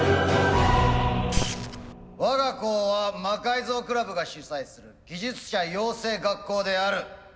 我が校は魔改造クラブが主宰する技術者養成学校である。